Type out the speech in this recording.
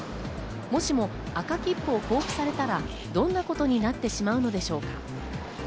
もしも赤切符を交付されたらどんなことになってしまうのでしょうか？